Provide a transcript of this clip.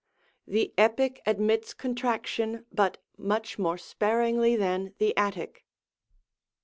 The Epic admits contraction, bnt much more spar ingly than the Attic.